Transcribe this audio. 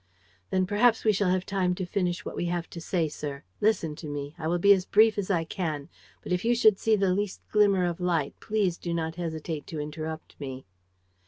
"Then perhaps we shall have time to finish what we have to say, sir. Listen to me. I will be as brief as I can. But if you should see the least glimmer of light, please do not hesitate to interrupt me."